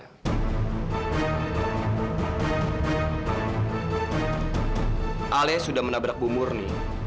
pembunuh bu murni sama vino adalah alia